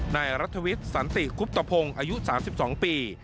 นายรัฐวิทย์สันติคุบตะพงศ์อายุ๓๒ปี